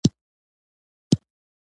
نن د نهمې عیسوي میاشتې شپږمه نېټه ده.